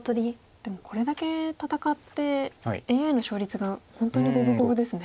でもこれだけ戦ってＡＩの勝率が本当に五分五分ですね。